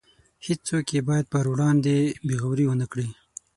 هیڅوک یې باید پر وړاندې بې غورۍ ونکړي.